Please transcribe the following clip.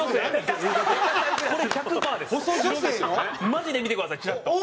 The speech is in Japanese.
マジで見てくださいチラッと。